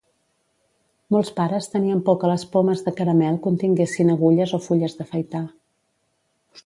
Molts pares tenien por que les pomes de caramel continguessin agulles o fulles d'afaitar.